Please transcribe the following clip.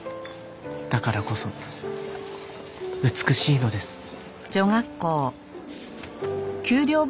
「だからこそ美しいのです」